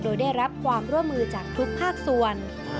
โดยได้รับความร่วมมือจากทุกภาคส่วน